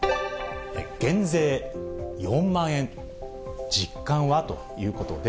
減税４万円実感は？ということで。